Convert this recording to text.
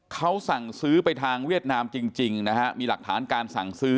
เขาสั่งซื้อไปทางเวียดนามจริงนะฮะมีหลักฐานการสั่งซื้อ